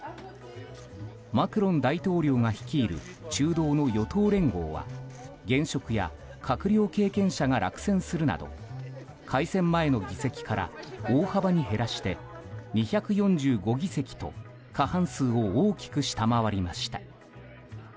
マクロン大統領が率いる中道の与党連合は現職や閣僚経験者が落選するなど改選前の議席から大幅に減らして２４５議席と過半数を大きく下回りました。